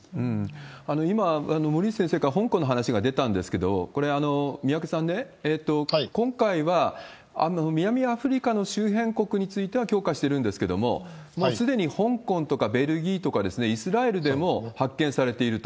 今、森内先生から香港の話が出たんですけれども、これは宮家さんね、今回は南アフリカの周辺国については強化してるんですけれども、すでに香港とかベルギーとかイスラエルでも発見されていると。